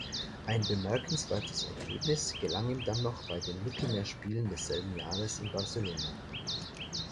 Ein bemerkenswertes Ergebnis gelang ihm dann noch bei den Mittelmeer-Spielen desselben Jahres in Barcelona.